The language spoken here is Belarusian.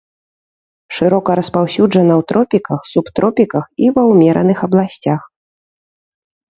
Шырока распаўсюджана ў тропіках, субтропіках і ва ўмераных абласцях.